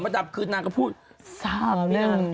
ซิริ์ฟเปล่าฉันไม่รู้แล้ว